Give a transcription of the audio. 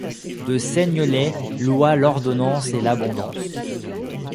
de Seignelay loua l'ordonnance et l'abondance.